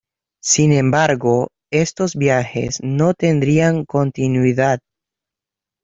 Sin embargo, estos viajes no tendrían continuidad.